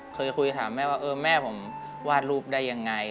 เคยคุยถามแม่ว่าเออแม่ผมวาดรูปได้ยังไง